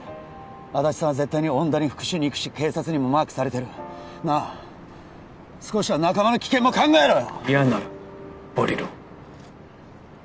安達さんは絶対に恩田に復讐に行くし警察にもマークされてるなあ少しは仲間の危険も考えろよ！